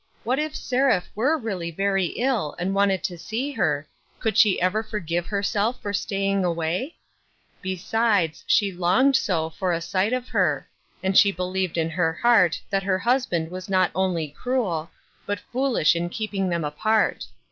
What if Seraph were really very ill and wanted to see her, could she ever forgive herself for staying away ? Besides, she longed so for a sight of her ; and she believed in her heart that her husband was not only cruel, but foolish in keeping them apart.